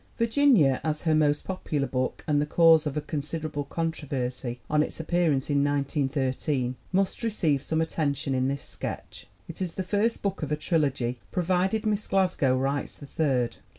Virginia, as her most popular book and the cause of a considerable controversy on its appearance in 1913, must receive some attention in this sketch. It is the first book of a trilogy provided Miss Glasgow writes the third!